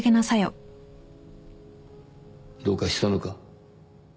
どうかしたのか？